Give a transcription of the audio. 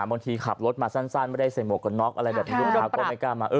บางทีขับรถมาสั้นไม่ได้ใส่หมวกกับน็อค